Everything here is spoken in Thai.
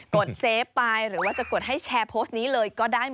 ดเซฟไปหรือว่าจะกดให้แชร์โพสต์นี้เลยก็ได้